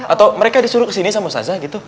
atau mereka disuruh ke sini sama ustazah gitu